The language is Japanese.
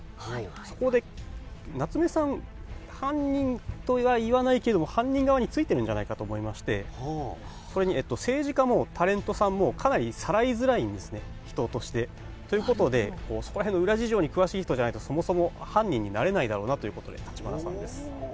そこで、夏目さん、犯人とは言わないけど、犯人側についてるんじゃないかと思いまして、それに政治家もタレントさんもかなりさらいづらいんですね、人として。ということで、そこらへんの裏事情に詳しい人じゃないと、そもそも犯人になれないだろうなということで、橘さんです。